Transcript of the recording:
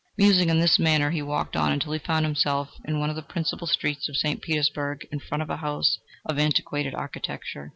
Musing in this manner, he walked on until he found himself in one of the principal streets of St. Petersburg, in front of a house of antiquated architecture.